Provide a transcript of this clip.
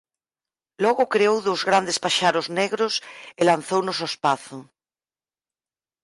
Logo creou dous grandes paxaros negros e lanzounos ó espazo.